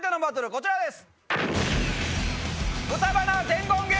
こちらです。